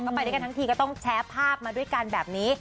ก็ไปด้วยกันทั้งทีก็ต้องแชร์ภาพมาด้วยกันแบบนี้